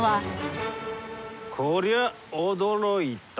こりゃ驚いた。